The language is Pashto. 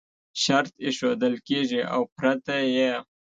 شرط ایښودل کېږي او پرته یې